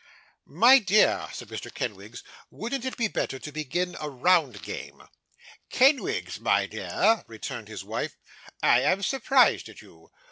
'My dear,' said Mr. Kenwigs, 'wouldn't it be better to begin a round game?' 'Kenwigs, my dear,' returned his wife, 'I am surprised at you.